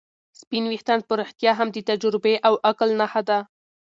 سپین ويښتان په رښتیا هم د تجربې او عقل نښه ده.